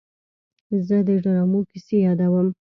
زه د ډرامو کیسې یادوم.